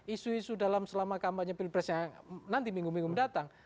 isu isu dalam selama kampanye pilpres yang nanti minggu minggu mendatang